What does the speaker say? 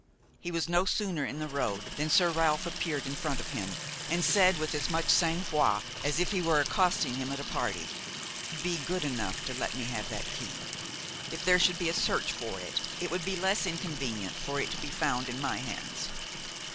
He was no sooner in the road than Sir Ralph appeared in front of him and said with as much sang froid as if he were accosting him at a party: "Be good enough to let me have that key. If there should be a search for it, it would be less inconvenient for it to be found in my hands."